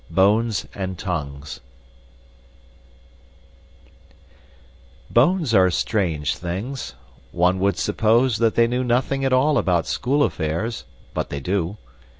Bones and Tongues Bones are strange things. One would suppose that they knew nothing at all about school affairs, but they do.